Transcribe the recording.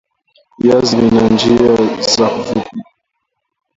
viazi vina njia za kuvipika